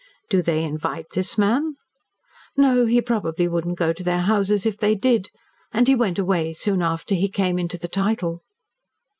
"Do they invite this man?" "No. He probably would not go to their houses if they did. And he went away soon after he came into the title."